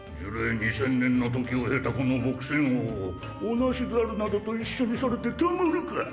２０００年の時を経たこの朴仙翁を尾無し猿などと一緒にされてたまるか。